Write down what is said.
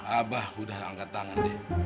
abah udah angkat tangan deh